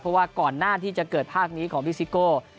เพราะว่าก่อนหน้าที่จะเกิดภาพนี้ของพี่ซิโก้